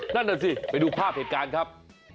นั่นน่ะสิไปดูภาพเหตุการณ์ครับ